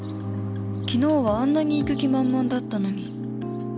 昨日はあんなに行く気満々だったのにミラクルボール？